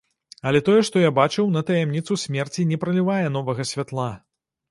Але тое, што я бачыў, на таямніцу смерці не пралівае новага святла.